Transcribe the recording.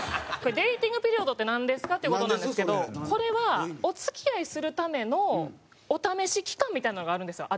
ＤａｔｉｎｇＰｅｒｉｏｄってなんですかって事なんですけどこれはお付き合いするためのお試し期間みたいなのがあるんですよ